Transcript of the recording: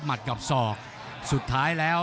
กับศอกสุดท้ายแล้ว